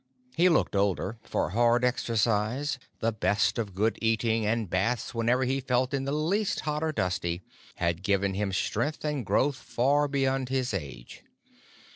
He looked older, for hard exercise, the best of good eating, and baths whenever he felt in the least hot or dusty, had given him strength and growth far beyond his age.